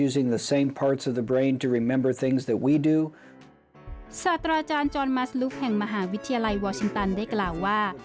สาธารย์จรมัสลุคแห่งมหาวิทยาลัยวอร์ชิงตันได้กล่าวว่า